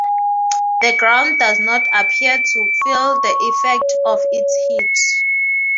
The ground does not appear to feel the effect of its heat.